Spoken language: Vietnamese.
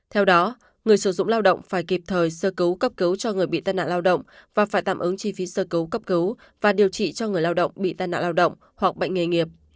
theo đó người sử dụng lao động phải kịp thời sơ cứu cấp cứu cho người bị tai nạn lao động và phải tạm ứng chi phí sơ cứu cấp cứu và điều trị cho người lao động bị tai nạn lao động hoặc bệnh nghề nghiệp